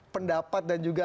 pendapat dan juga